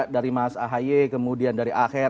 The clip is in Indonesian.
dari mas ahy kemudian dari aher